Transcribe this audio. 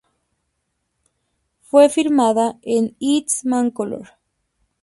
Fue filmada en Eastmancolor.